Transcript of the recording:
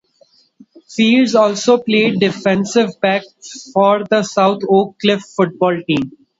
Fields also played defensive back for the South Oak Cliff football team.